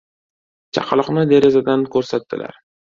Chaqaloqni derazadan ko‘rsatdilar.